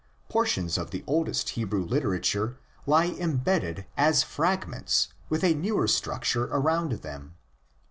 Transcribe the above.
Portions of the oldest Hebrew literature lie embedded as frag ments with a newer structure around them.